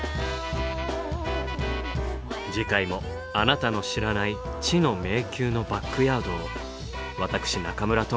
次回もあなたの知らない知の迷宮のバックヤードを私中村倫也がご案内いたします。